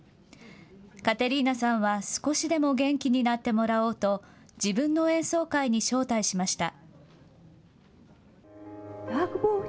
カテリーナさんは少しでも元気になってもらおうと、自分の演奏会に招待しました。